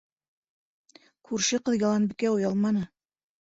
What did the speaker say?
Күрше ҡыҙ Яланбикә оялманы: